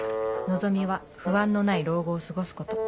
望みは不安のない老後を過ごすこと